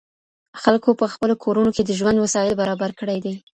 خلګو په خپلو کورونو کي د ژوند وسايل برابر کړي دي.